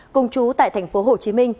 cùng chú tại tp hcm